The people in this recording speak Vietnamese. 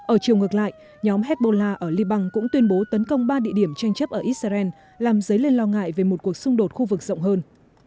ở chiều ngược lại nhóm hezbollah ở liban cũng tuyên bố tấn công ba địa điểm tranh chấp ở israel làm dấy lên lo ngại về một cuộc xung đột khu vực rộng hơn